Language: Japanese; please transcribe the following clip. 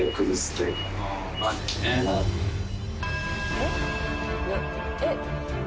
「えっ？えっ」